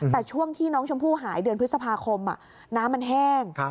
แต่ช่วงที่น้องชมพู่หายเดือนพฤษภาคมน้ำมันแห้ง